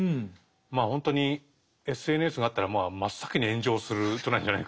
まあほんとにＳＮＳがあったら真っ先に炎上する人なんじゃないかなという。